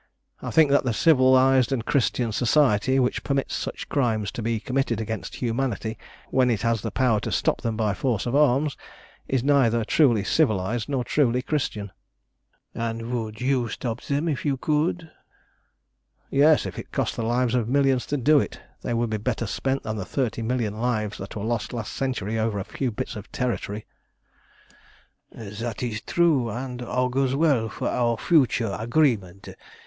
I think that the civilised and Christian Society which permits such crimes to be committed against humanity, when it has the power to stop them by force of arms, is neither truly civilised nor truly Christian." "And would you stop them if you could?" "Yes, if it cost the lives of millions to do it! They would be better spent than the thirty million lives that were lost last century over a few bits of territory." "That is true, and augurs well for our future agreement.